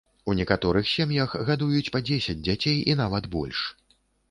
У некаторых сем'ях гадуюць па дзесяць дзяцей і нават больш.